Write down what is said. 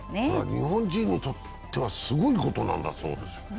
日本人にとっては、すごいことなんだそうです。